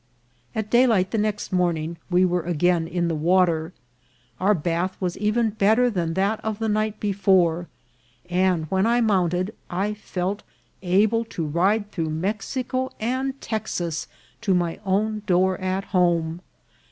At daylight the next morning we were again in the water. Our bath was even better than that of the night before, and when I mounted I felt able to ride through Mexico and Texas to my own door at home.